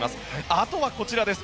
あとはこちらです。